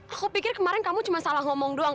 aku pikir kemarin kamu cuma salah ngomong doang